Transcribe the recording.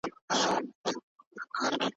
د نورو نظرونو ته په درناوي وګورئ.